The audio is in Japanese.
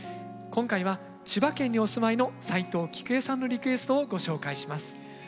今回は千葉県にお住まいの斉藤菊江さんのリクエストをご紹介します。